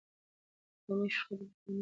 قومي شخړې د قانون له لارې حل کیږي.